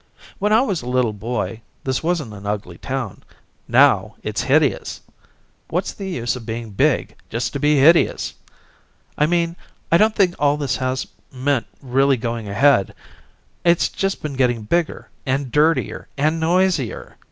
When I was a little boy this wasn't an ugly town; now it's hideous. What's the use of being big just to be hideous? I mean I don't think all this has meant really going ahead it's just been getting bigger and dirtier and noisier.